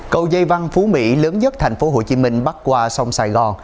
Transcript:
cầu dây văn phú mỹ lớn nhất thành phố hồ chí minh bắt qua sông sài gòn